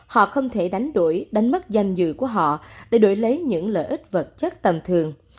họ không thể đánh đuổi đánh mất danh dự của họ để đổi lấy những lợi ích vật chất tầm thường